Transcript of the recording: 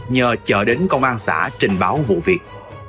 nhờ chở đến công an xã trình báo vụ việc